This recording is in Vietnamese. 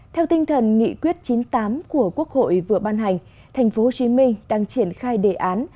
theo tinh thần nghị quyết chín mươi tám của quốc hội vừa ban hành tp hcm đang triển khai đề án